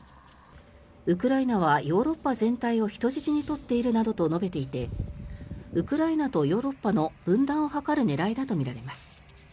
ウクライナはヨーロッパ全体を人質に取っているなどと述べていてウクライナとヨーロッパの分断を図る狙いだとみられます。